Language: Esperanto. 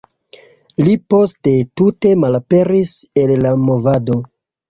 Li poste tute malaperis el la movado.